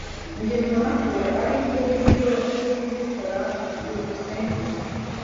Njye mbona ko aribwo buryo bwo kubikora. byukusenge